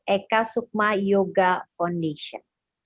eka sukma yoga foundation